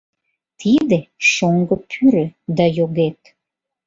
Тиде — шоҥго пӱрӧ... да йогет!